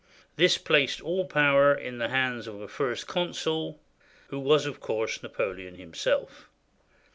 This placed all power in the hands of a First Consul — who was, of course. Napoleon himself.